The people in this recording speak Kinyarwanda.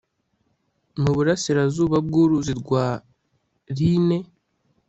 mu burasirazuba bw uruzi rwa rhine